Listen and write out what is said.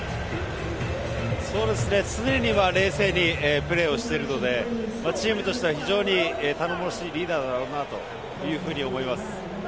常に冷静にプレーをしているのでチームとしては非常に頼もしいリーダーだろうなと思います。